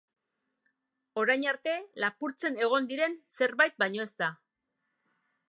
Orain arte lapurtzen egon diren zerbait baino ez da.